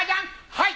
はい！